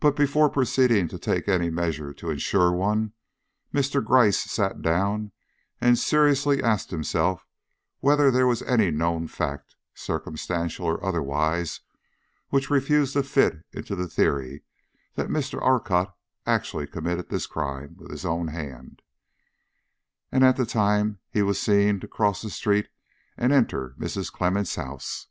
But before proceeding to take any measures to insure one, Mr. Gryce sat down and seriously asked himself whether there was any known fact, circumstantial or otherwise, which refused to fit into the theory that Mr. Orcutt actually committed this crime with his own hand, and at the time he was seen to cross the street and enter Mrs. Clemmens' house.